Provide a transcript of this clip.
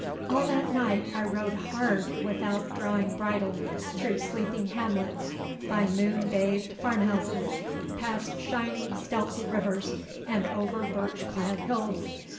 All that night I rode hard without drawing bridle, through sleeping hamlets, by moon bathed farmhouses, past shining stealthy rivers, and over birch clad hills.